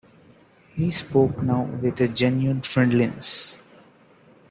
He spoke now with a genuine friendliness.